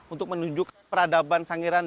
untuk menunjukkan peradaban sangiran